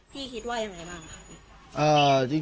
พี่คิดว่าอย่างไรบ้าง